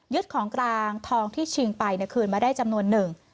ของกลางทองที่ชิงไปคืนมาได้จำนวนหนึ่ง